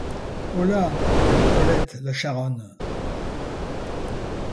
Holà, Colette la Charonne!